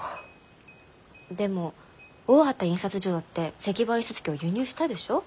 でも大畑印刷所だって石版印刷機を輸入したでしょ？